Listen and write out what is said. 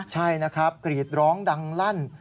ใช่นะครับกรีดร้องดังลั่น